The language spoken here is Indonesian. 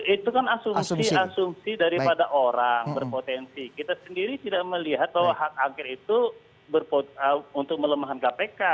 itu kan asumsi asumsi daripada orang berpotensi kita sendiri tidak melihat bahwa hak angket itu untuk melemahkan kpk